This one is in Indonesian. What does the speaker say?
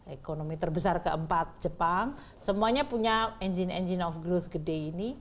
ekonomi terbesar keempat jepang semuanya punya engine engine of growth gede ini